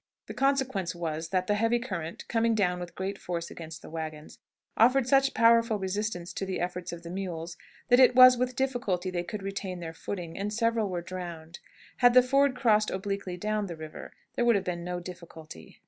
The consequence was, that the heavy current, coming down with great force against the wagons, offered such powerful resistance to the efforts of the mules that it was with difficulty they could retain their footing, and several were drowned. Had the ford crossed obliquely down the river, there would have been no difficulty.